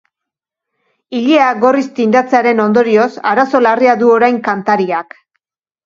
Ilea gorriz tindatzearen ondorioz arazo larria du orain kantariak.